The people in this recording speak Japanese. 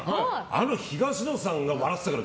あの東野さんが笑ってたから。